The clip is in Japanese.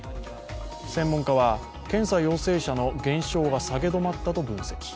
専門家は、検査陽性者の減少が下げ止まったと分析。